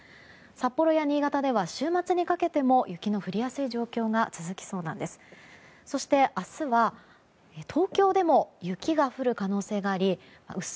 札幌や新潟では週末にかけても雪の降りやすい状況が続きそうなんです。